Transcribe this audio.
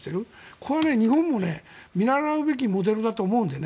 これは日本も見習うべきモデルだと思うんです。